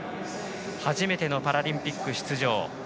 初めてのパラリンピック出場。